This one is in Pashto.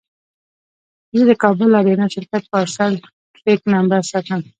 زه د کابل اریانا شرکت پارسل ټرېک نمبر ساتم.